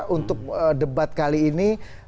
untuk debat kali ini